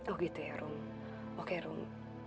oh gitu ya rom oke rom